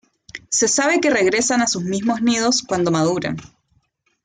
Se sabe que regresan a sus mismos nidos cuando maduran.